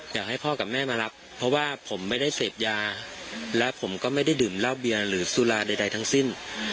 อยากให้พ่อกับแม่มารับเพราะว่าผมไม่ได้เสพยาและผมก็ไม่ได้ดื่มเหล้าเบียร์หรือสุราใดทั้งสิ้น